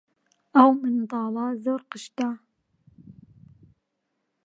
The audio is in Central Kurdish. ئەو منداڵە زۆر قشتە.